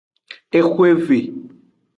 Exweve.